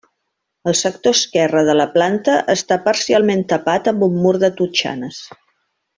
El sector esquerre de la planta està parcialment tapat amb un mur de totxanes.